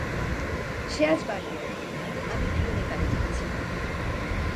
সে আজ বাড়ী গেল, আমি গ্রীনএকারে যাচ্ছি।